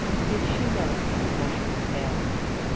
"Did she know Captain Ussher was dead?"